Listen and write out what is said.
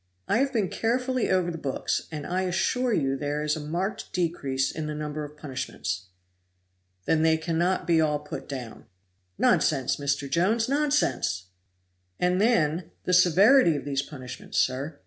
"I have been carefully over the books, and I assure you there is a marked decrease in the number of punishments." "Then they cannot be all put down." "Nonsense, Mr. Jones, nonsense!" "And, then, the severity of these punishments, sir!